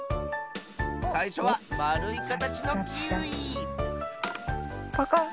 さいしょはまるいかたちのキウイパカッ。